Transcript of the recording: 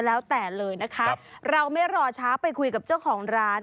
แล้วแต่เลยนะคะเราไม่รอช้าไปคุยกับเจ้าของร้าน